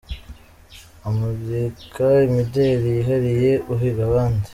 umurika imideli yihariye uhiga abandi.